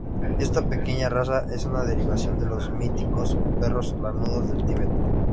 Esta pequeña raza es una derivación de los míticos perros lanudos del Tíbet.